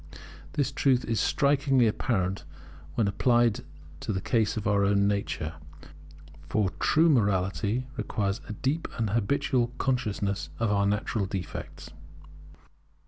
This truth is strikingly apparent when applied to the case of our own nature, for true morality requires a deep and habitual consciousness of our natural defects.